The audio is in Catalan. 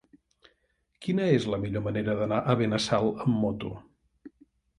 Quina és la millor manera d'anar a Benassal amb moto?